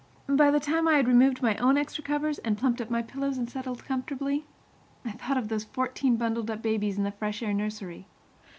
By the time I had removed my own extra covers and plumped up my pillow and settled comfortably, I thought of those fourteen bundled up babies in the fresh air nursery.